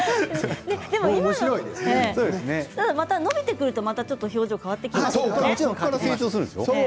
また伸びてくるとちょっと表情が変わってきますよね。